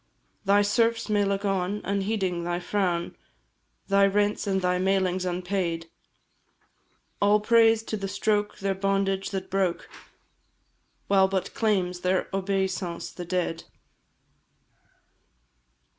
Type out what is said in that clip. Thy serfs may look on, unheeding thy frown, Thy rents and thy mailings unpaid; All praise to the stroke their bondage that broke! While but claims their obeisance the dead.